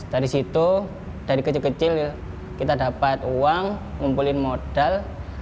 dari situ dari kecil kecil kita dapat uang ngumpulin modal